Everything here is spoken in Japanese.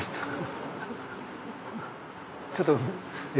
ちょっと「え？」